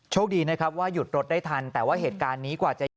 โชคดีนะครับว่าหยุดรถได้ทันแต่ว่าเหตุการณ์นี้กว่าจะ